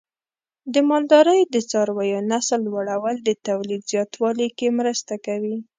د مالدارۍ د څارویو نسل لوړول د تولید زیاتوالي کې مرسته کوي.